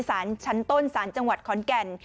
สารชั้นต้นสารจังหวัดขอนแก่น